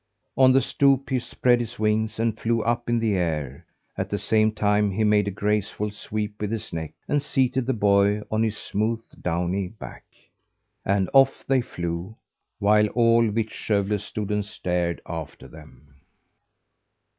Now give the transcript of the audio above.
On the stoop he spread his wings and flew up in the air; at the same time he made a graceful sweep with his neck and seated the boy on his smooth, downy back. And off they flew while all Vittskövle stood and stared after them.